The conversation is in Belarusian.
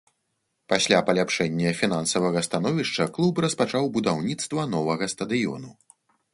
Пасля паляпшэння фінансавага становішча клуб распачаў будаўніцтва новага стадыёну.